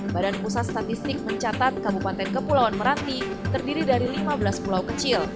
badan pusat statistik mencatat kabupaten kepulauan meranti terdiri dari lima belas pulau kecil